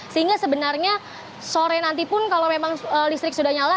sehingga sebenarnya sore nanti pun kalau memang listrik sudah nyala